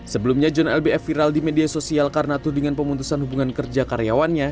sebelumnya john lbf viral di media sosial karena tudingan pemutusan hubungan kerja karyawannya